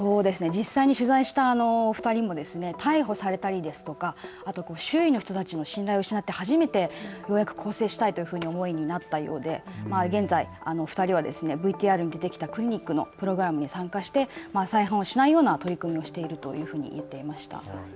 実際に取材した２人も逮捕されたり周囲の人たちの信頼を失って初めてようやく更正したいという思いになったようで現在２人はＶＴＲに出てきたクリニックのプログラムに参加して再犯をしないような取り組みをしているということでした。